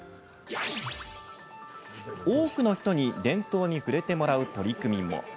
多くの人に伝統に触れてもらう取り組みも。